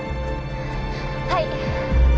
はい。